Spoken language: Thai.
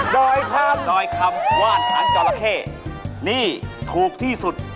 ดอยทอดดอยคำวาดหางจราเข้นี่ถูกที่สุด